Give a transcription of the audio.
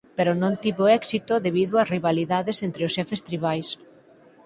Pero non tivo éxito debido ás rivalidades entre os xefes tribais.